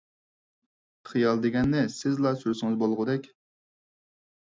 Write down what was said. خىيال دېگەننى سىزلا سۈرسىڭىز بولغۇدەك.